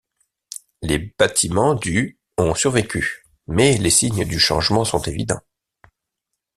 Les bâtiments du ont survécu, mais les signes du changement sont évidents.